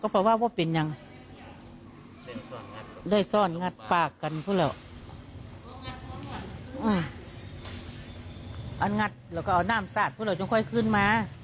ปากกันพอแล้วอ่าอันงัดแล้วก็เอาน่ามสะอาดพอแล้วจงค่อยขึ้นมา